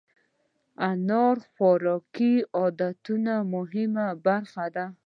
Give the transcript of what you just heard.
انار د خوراکي عادتونو مهمه برخه ده.